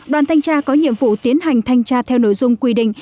đoàn thanh tra có nhiệm vụ tiến hành thanh tra theo nội dung quy định